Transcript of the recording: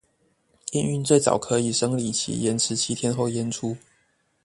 驗孕最早可以生理期延遲七天後驗出